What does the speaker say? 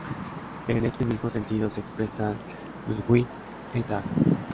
En este mismo sentido se expresan Ludwig et al.